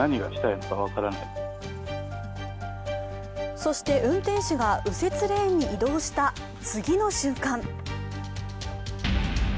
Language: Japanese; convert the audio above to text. そして運転手が右折レーンに移動した次の瞬間。